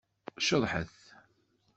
Ceḍḥet!